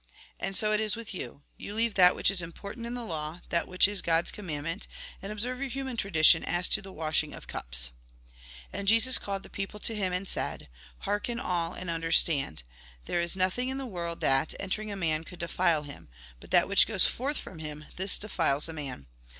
And so it is with you : You leave that which is important in the law, that which is God's com mandment, and observe your human tradition as to the washing of cups !" And Jesus called the people to him, and said :" Hearken all, and understand : There is nothing in the world that, entering a man, could defile him ; but that which goes forth from him, this defiles a man.